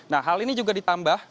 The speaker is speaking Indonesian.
nah hal ini juga ditambah